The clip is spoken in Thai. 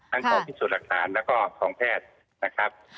ของพิสูจน์หลักฐานแล้วก็ของแพทย์นะครับ